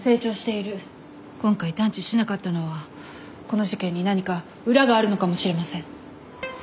今回探知しなかったのはこの事件に何か裏があるのかもしれません。